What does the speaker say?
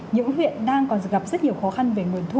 những huyện đang còn gặp rất nhiều khó khăn về nguồn thu